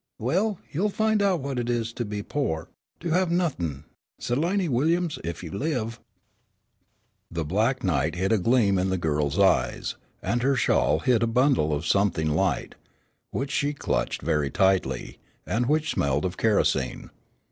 Well, you'll find out what it is to be pore to have nothin', Seliny Williams, if you live." The black night hid a gleam in the girl's eyes, and her shawl hid a bundle of something light, which she clutched very tightly, and which smelled of kerosene.